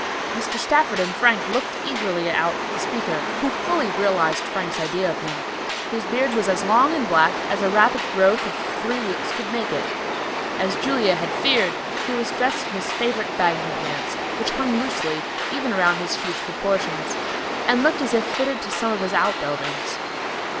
Mr. Stafford and Frank looked eagerly out at the speaker, who fully realized Frank's idea of him. His beard was as long and black as a rapid growth of three weeks could make it. As Julia had feared, he was dressed in his favorite bagging pants, which hung loosely, even around his huge proportions, and looked as if fitted to some of his outbuildings.